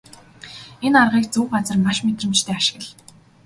Энэ аргыг зөв газар маш мэдрэмжтэй ашигла.